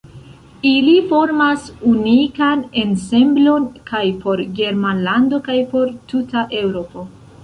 Ili formas unikan ensemblon kaj por Germanlando kaj por tuta Eŭropo.